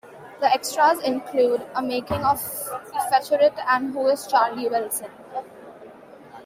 The extras include a making of featurette and a Who is Charlie Wilson?